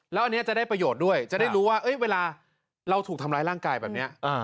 แล้วอันนี้จะได้ประโยชน์ด้วยจะได้รู้ว่าเวลาเราถูกทำร้ายร่างกายแบบนี้